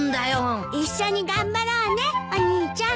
一緒に頑張ろうねお兄ちゃん。